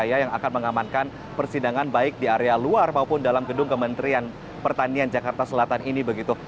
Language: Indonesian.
ini adalah satu persidangan yang sudah diamankan persidangan baik di area luar maupun dalam gedung kementerian pertanian jakarta selatan ini begitu